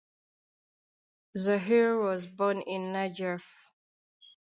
Zuhair was born in Najaf.